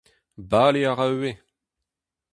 Bale a ra ivez.